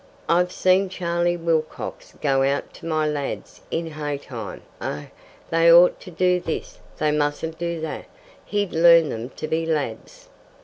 "I've seen Charlie Wilcox go out to my lads in hay time oh, they ought to do this they mustn't do that he'd learn them to be lads.